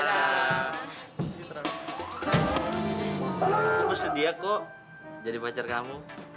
aku bersedia kok jadi pacar kamu